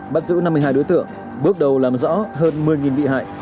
bắt giữ năm mươi hai đối tượng bước đầu làm rõ hơn một mươi bị hại